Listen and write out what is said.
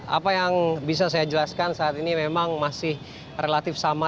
apa yang bisa saya jelaskan saat ini memang masih relatif sama